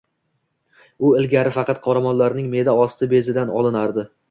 U ilgari faqat qoramollarning me’da osti bezidan olinardi